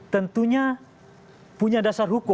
tentunya punya dasar hukum